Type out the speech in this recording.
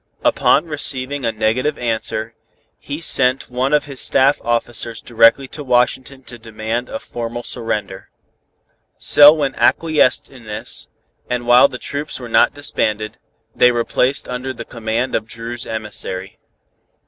Upon receiving a negative answer, he sent one of his staff officers directly to Washington to demand a formal surrender. Selwyn acquiesced in this, and while the troops were not disbanded, they were placed under the command of Dru's emissary.